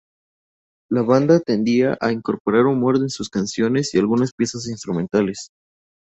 La banda tendía a incorporar humor en sus canciones y algunas piezas instrumentales.